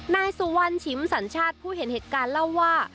นายสุวรรณชิมสัญชาติผู้เห็นเหตุการณ์เล่าว่า